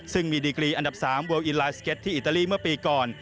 ซึ่งมีดีกรีอันดับ๓เวิลอินไลน์สเก็ตที่อิตาลีเมื่อปีก่อน